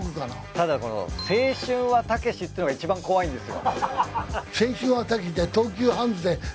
ただこの「青春はたけし」っていうのがいちばん怖いんですよ。